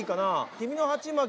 君の鉢巻き